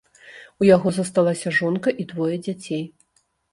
У яго засталася жонка і двое дзяцей.